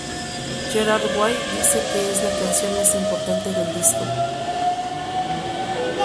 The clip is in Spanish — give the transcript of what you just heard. Gerard Way dice que es la canción más importante del disco.